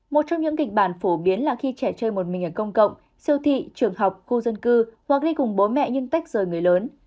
một trong những kịch bản phổ biến là khi trẻ chơi một mình ở công cộng siêu thị trường học khu dân cư hoặc đi cùng bố mẹ nhưng tách rời người lớn